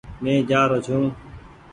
مينٚ جآرو ڇوٚنٚ